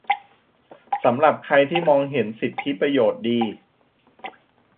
สำหรับใครที่มองเห็นสิทธิประโยชน์ดี